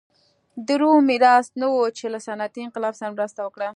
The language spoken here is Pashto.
د روم میراث نه و چې له صنعتي انقلاب سره مرسته وکړه.